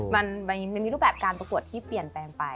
มันมีรูปแบบการประกวดที่เปลี่ยนแปลงไป